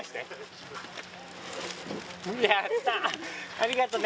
ありがとね。